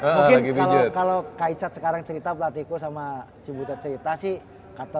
mungkin kalo kak icat sekarang cerita pelatihku sama cibutet cerita sih